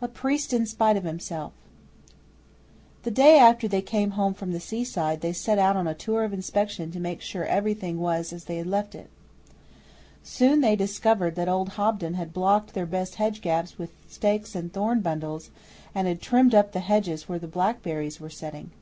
'A Priest in Spite of Himself' The day after they came home from the sea side they set out on a tour of inspection to make sure everything was as they had left it. Soon they discovered that old Hobden had blocked their best hedge gaps with stakes and thorn bundles, and had trimmed up the hedges where the blackberries were setting.